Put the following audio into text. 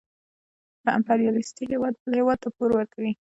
یو امپریالیستي هېواد بل هېواد ته پور ورکوي